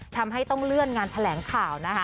ทำให้ต้องเลื่อนงานแถลงข่าวนะคะ